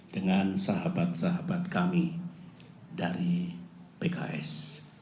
dengan sahabat sahabat kami dari pks